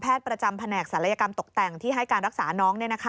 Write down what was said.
ประจำแผนกศัลยกรรมตกแต่งที่ให้การรักษาน้อง